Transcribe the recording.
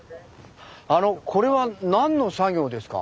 これは何の作業ですか？